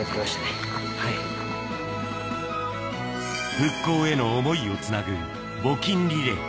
「復興への想いをつなぐ募金リレー」。